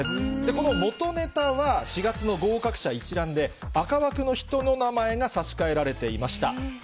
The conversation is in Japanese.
この元ネタは４月の合格者一覧で、赤枠の人の名前が差し替えられていました。